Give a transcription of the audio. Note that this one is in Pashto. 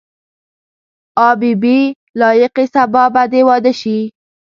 آ بي بي لایقې سبا به دې واده شي.